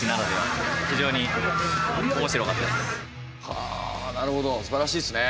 はあなるほどすばらしいですね。